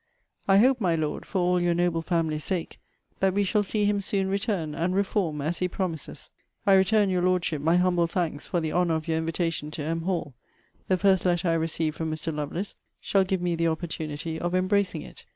I hope, my Lord, for all your noble family's sake, that we shall see him soon return, and reform, as he promises. I return your Lordship my humble thanks for the honour of your invitation to M. Hall. The first letter I receive from Mr. Lovelace shall give me the opportunity of embracing it.